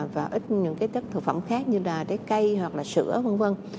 và ít những cái chất thực phẩm khác như là trái cây hoặc là sữa v v